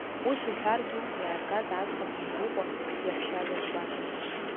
Ус уҳәаргьы, иааргаз аӡӷаб Мрыҟәа иаҳәшьазаҵә лакәын.